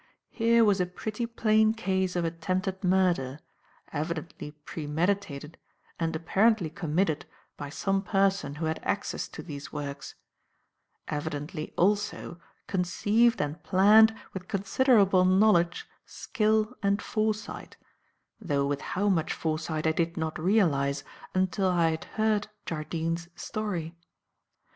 Here was a pretty plain case of attempted murder, evidently premeditated and apparently committed by some person who had access to these works; evidently, also, conceived and planned with considerable knowledge, skill and foresight, though with how much foresight I did not realize until I had heard Jardine's story.